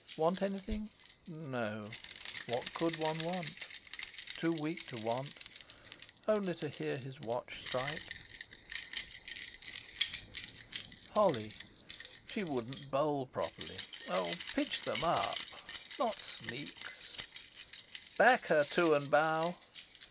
Want anything? No. What could one want? Too weak to want—only to hear his watch strike.... Holly! She wouldn't bowl properly. Oh! Pitch them up! Not sneaks!... "Back her, Two and Bow!"